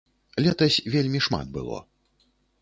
Летась вельмі шмат было.